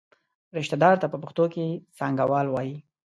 رشته دار ته په پښتو کې څانګوال وایي.